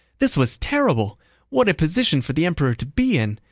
This was terrible! What a position for the Emperor to be in!